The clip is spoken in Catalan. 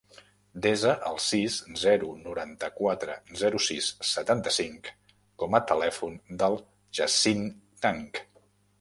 Desa el sis, zero, noranta-quatre, zero, sis, setanta-cinc com a telèfon del Yassine Tang.